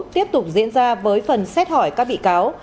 tiếp tục diễn ra với phần xét hỏi các bị cáo